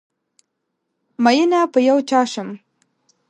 ميېنه په یو چا شم